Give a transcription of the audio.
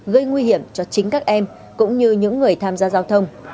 gây nguy hiểm cho chính các em cũng như những người tham gia giao thông